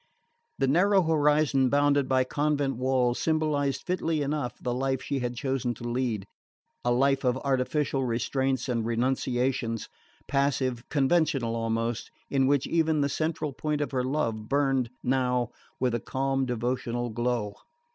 The narrow horizon bounded by convent walls symbolised fitly enough the life she had chosen to lead: a life of artificial restraints and renunciations, passive, conventual almost, in which even the central point of her love burned, now, with a calm devotional glow.